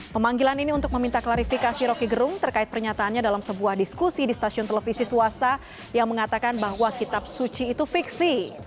pemanggilan ini untuk meminta klarifikasi roky gerung terkait pernyataannya dalam sebuah diskusi di stasiun televisi swasta yang mengatakan bahwa kitab suci itu fiksi